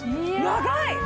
長い！